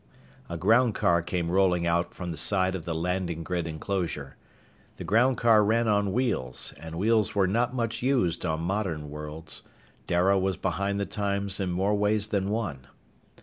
A groundcar came rolling out from the side of the landing grid enclosure. The groundcar ran on wheels, and wheels were not much used on modern worlds. Dara was behind the times in more ways than one.